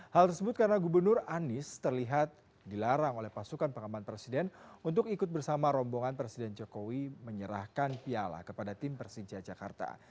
hal tersebut karena gubernur anies terlihat dilarang oleh pasukan pengaman presiden untuk ikut bersama rombongan presiden jokowi menyerahkan piala kepada tim persija jakarta